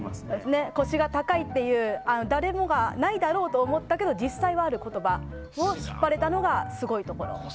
腰が高いっていう誰もがないだろうと思ったけど実際はある言葉を引っ張れたのがすごいところですね。